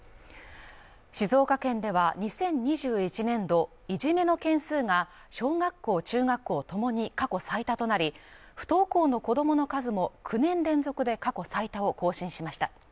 静岡県では、２０２１年度いじめの件数が小学校・中学校ともに過去最多となり、不登校の子供の数も９年連続で過去最多を更新しました。